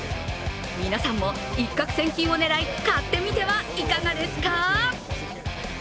皆さんも一獲千金を狙い買ってみてはいかがですか？